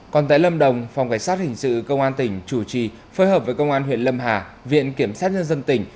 còn tại lâm đồng phòng cảnh sát hình sự công an tỉnh chủ trì phối hợp với công an huyện lâm hà viện kiểm sát nhân dân tỉnh